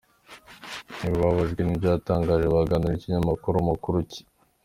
Bamwe mu bababajwe n’ibyo yatangaje, baganiriye n’ikiyamakuru Makuruki.